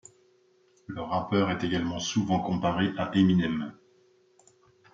Le rappeur est également souvent comparé à Eminem.